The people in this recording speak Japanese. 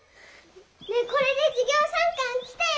ねえこれで授業参観来てよ。